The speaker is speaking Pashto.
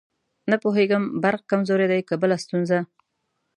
نه پوهېږم برق کمزورې دی که بله ستونزه.